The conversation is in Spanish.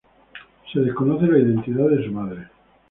Se desconoce la identidad de su madre.